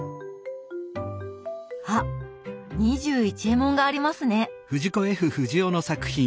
あっ「２１エモン」がありますね。